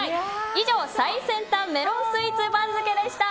以上、最先端メロンスイーツ番付でした。